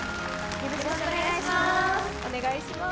よろしくお願いします。